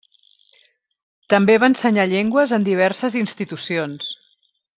També va ensenyar llengües en diverses institucions.